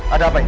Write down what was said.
ada apa itu